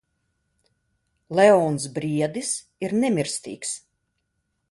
Leons Briedis ir nemirstīgs!